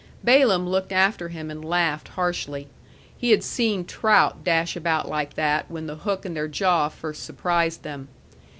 Balaam looked after him and laughed harshly. He had seen trout dash about like that when the hook in their jaw first surprised them.